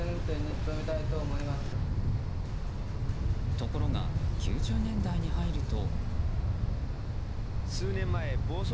ところが、９０年代に入ると。